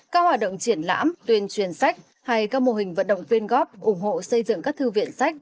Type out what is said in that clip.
các hoạt động triển lãm tuyên truyền sách hay các mô hình vận động tuyên góp ủng hộ xây dựng các thư viện sách